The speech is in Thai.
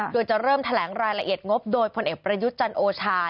โดยจะเริ่มแถลงรายละเอียดงบโดยพลเอกประยุทธ์จันโอชา